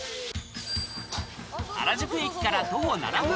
原宿駅から徒歩７分。